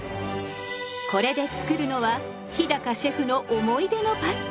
これで作るのは日シェフの思い出のパスタ。